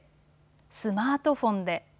スマートフォンで。